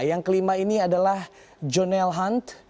yang kelima ini adalah jonel hunt